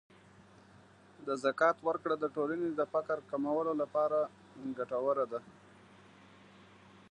د زکات ورکړه د ټولنې د فقر کمولو لپاره ګټوره ده.